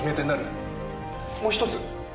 もう一つ。